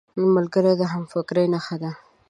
ملګری د همفکرۍ نښه ده